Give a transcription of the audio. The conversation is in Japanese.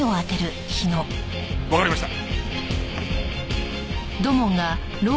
わかりました。